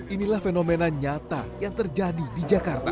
inilah fenomena nyata yang terjadi di jakarta